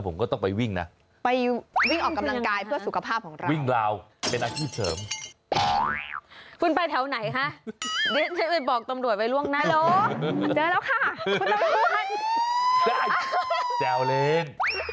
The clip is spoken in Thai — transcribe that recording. มันเดือดเกินไปไงคุณ